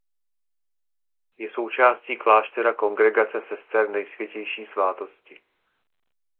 Je součástí kláštera Kongregace sester Nejsvětější Svátosti.